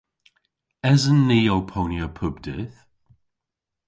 Esen ni ow ponya pub dydh?